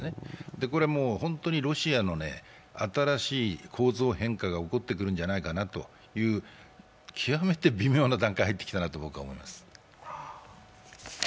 これはロシアの新しい構造変化が起こってくるんじゃないかと極めて微妙な段階に入ってきたなと思います。